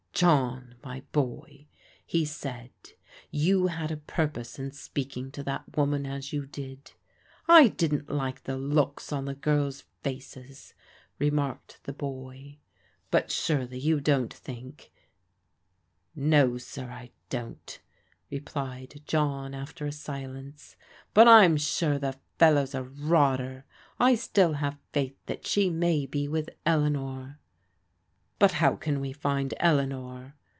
" John, my boy," he said, " you had a purpose in speaking to that woman as you did." " I didn't like the looks on the girls' faces," remarked the boy. " But surely you don't think '*" No, sir, I don't," replied John after a silence. " But I'm sure the fellow's a rotter. I still have faith that she may be with Eleanor." " But how can we find Eleanor?